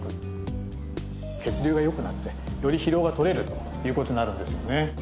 血流が良くなってより疲労が取れるという事になるんですよね。